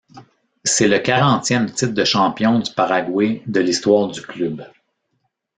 C'est le quarantième titre de champion du Paraguay de l'histoire du club.